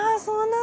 そう！